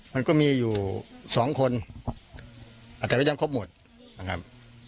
มันก็มีอยู่สองคนอาจจะก็ยังครบหมดนะครับ